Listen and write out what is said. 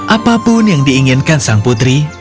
apapun yang diinginkan sang putri